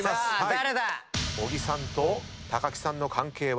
小木さんと木さんの関係は？